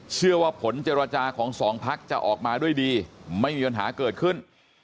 เชื่อว่าผลเจรจาของสองพักจะออกมาด้วยดีไม่มีปัญหาเกิดขึ้น